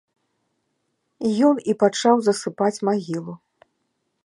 Ён і пачаў засыпаць магілу.